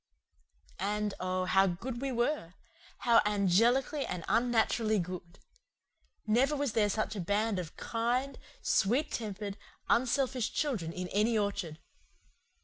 And, oh, how good we were! How angelically and unnaturally good! Never was there such a band of kind, sweet tempered, unselfish children in any orchard.